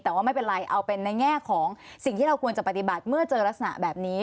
แต่ว่าไม่เป็นไรเอาเป็นในแง่ของสิ่งที่เราควรจะปฏิบัติเมื่อเจอลักษณะแบบนี้